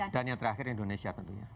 dan yang terakhir indonesia tentunya